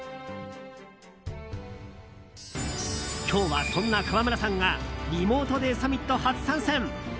今日は、そんな川村さんがリモートでサミット初参戦。